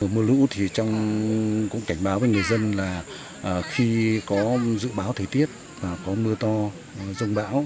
mưa lũ thì cũng cảnh báo với người dân là khi có dự báo thời tiết có mưa to rông bão